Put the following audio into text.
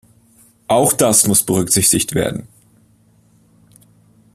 Auch das muss berücksichtigt werden.